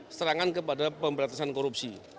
serangan kepada pemberantasan korupsi